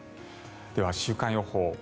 では週間予報。